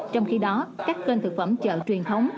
trong khi đó các kênh thực phẩm chợ truyền thống